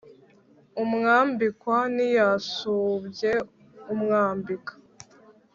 umwambikwa ntiyasumbye umwambika,